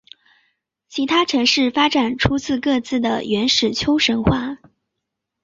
其他城市发展出各自的原始丘神话。